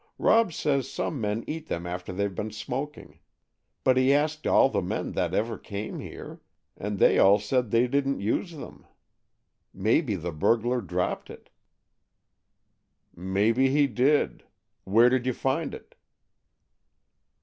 Rob says some men eat them after they've been smoking. But he asked all the men that ever came here, and they all said they didn't use them. Maybe the burglar dropped it." "Maybe he did. Where did you find it?"